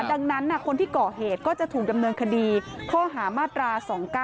ดังนั้นคนที่ก่อเหตุก็จะถูกดำเนินคดีข้อหามาตรา๒๙